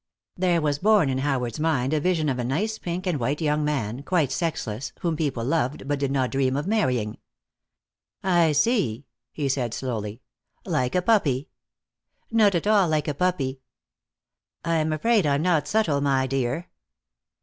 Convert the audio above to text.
There was born in Howard's mind a vision of a nice pink and white young man, quite sexless, whom people loved but did not dream of marrying. "I see," he said slowly. "Like a puppy." "Not at all like a puppy." "I'm afraid I'm not subtle, my dear.